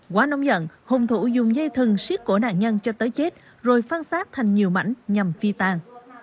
quá nóng giận hung thủ dùng dây thừng xiết cổ nạn nhân cho tới chết rồi phan xác thành nhiều mảnh nhằm phi tan